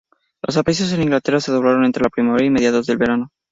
Los precios en Inglaterra se doblaron entre la primavera y mediados del verano.